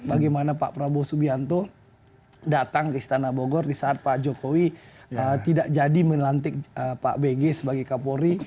bagaimana pak prabowo subianto datang ke istana bogor di saat pak jokowi tidak jadi melantik pak bg sebagai kapolri